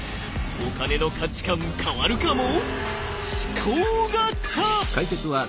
お金の価値観変わるかも！？